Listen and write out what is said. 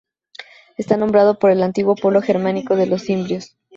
Está nombrado por el antiguo pueblo germánico de los cimbrios.